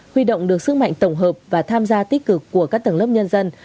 huy động được sức mạnh tổng hợp và tham gia tích cực của các tầng lớp nhân dân